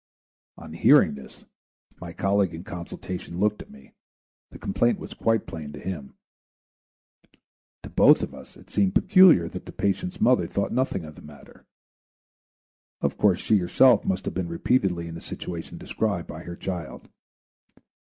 On hearing this, my colleague in consultation looked at me; the complaint was quite plain to him. To both of us it seemed peculiar that the patient's mother thought nothing of the matter; of course she herself must have been repeatedly in the situation described by her child.